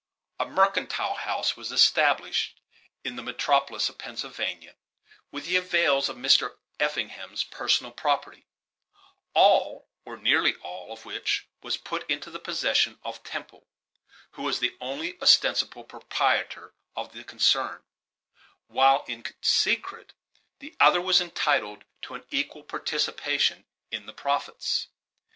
A mercantile house was established in the metropolis of Pennsylvania, with the avails of Mr. Effingham's personal property; all, or nearly all, of which was put into the possession of Temple, who was the only ostensible proprietor in the concern, while, in secret, the other was entitled to an equal participation in the profits.